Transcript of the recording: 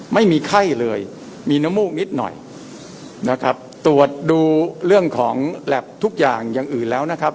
ไม่มีไข้เลยมีเนื้อมูกนิดหน่อยนะครับตรวจดูเรื่องของแล็บทุกอย่างอย่างอื่นแล้วนะครับ